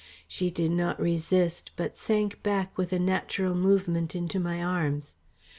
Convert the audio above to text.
She did not resist but sank back with a natural movement into my arms.